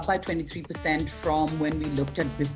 peningkatan percobaan untuk pengguna aplikasi kencan